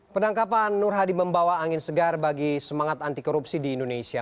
penangkapan nur hadi membawa angin segar bagi semangat anti korupsi di indonesia